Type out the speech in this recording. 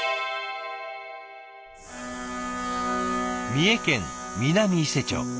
三重県南伊勢町。